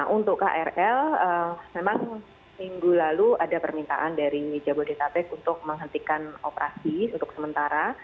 untuk krl memang minggu lalu ada permintaan dari jabodetabek untuk menghentikan operasi untuk sementara